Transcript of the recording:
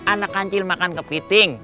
anak kancil makan ke piting